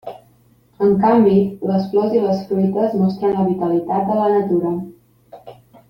En canvi, les flors i les fruites mostren la vitalitat de la natura.